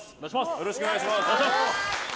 よろしくお願いします。